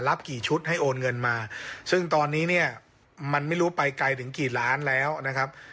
รับกี่ชุดให้โอนเงินมาซึ่งตอนนี้เนี่ยมันไม่รู้ไปไกลถึงกี่ล้านแล้วนะครับ